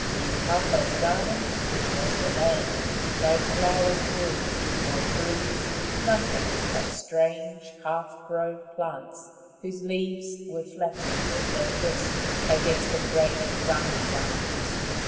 In Papa's garden, which was the land, no flowers grew, nor trees ; nothing but strange half grown plants whose leaves were flattened as they pressed against great Rangi's arms.